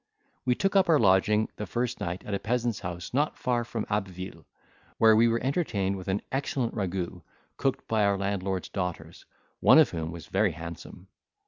We took up our lodging the first night at a peasant's house not far from Abbeville, where we were entertained with an excellent ragout, cooked by our landlord's daughters, one of whom was very handsome.